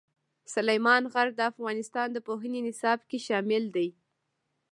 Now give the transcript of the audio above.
سلیمان غر د افغانستان د پوهنې نصاب کې شامل دي.